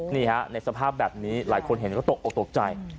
นี่ฮะในสภาพแบบนี้หลายคนเห็นก็ตกออกตกใจ